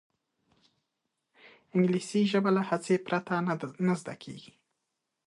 انګلیسي ژبه له هڅې پرته نه زده کېږي